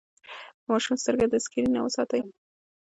د ماشوم سترګې د سکرين نه وساتئ.